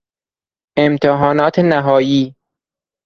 امتحانات نهایی